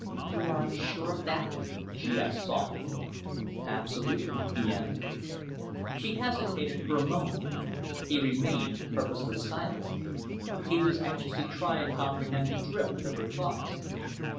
"You are sure of that?" she asked softly. "Absolutely," he answered. She hesitated for a moment. He remained purposely silent. He was anxious to try and comprehend the drift of her thoughts.